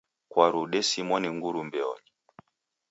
Kwaru odesimwa ni nguru mbionyi.